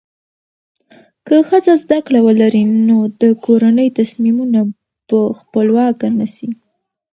که ښځه زده کړه ولري، نو د کورنۍ تصمیمونه په خپلواکه نیسي.